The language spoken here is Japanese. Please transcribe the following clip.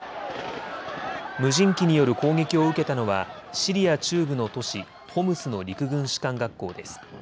無人機による攻撃を受けたのはシリア中部の都市ホムスの陸軍士官学校です。